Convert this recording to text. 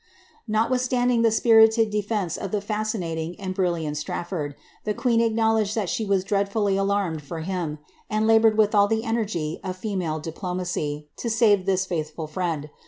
" Notwithstanding the spirited defence of the fascinating and brilliant Straflbrd, the queen acknowledged that she was dreadfully alarmed for him, and laboured with all the energy of female diplomacy, to* save this faithful friend.